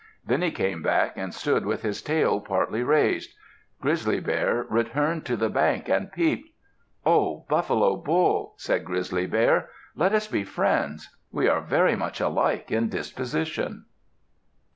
Then he came back and stood with his tail partly raised. Grizzly Bear returned to the bank and peeped. "Oh, Buffalo Bull," said Grizzly Bear. "Let us be friends. We are very much alike in disposition."